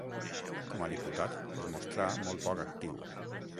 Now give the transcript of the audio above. Com a diputat es mostrà molt poc actiu.